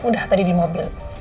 udah tadi di mobil